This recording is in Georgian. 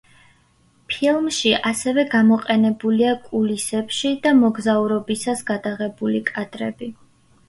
ფილმში ასევე გამოყენებულია კულისებში და მოგზაურობისას გადაღებული კადრები.